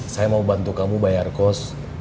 saya mau bantu kamu bayar kos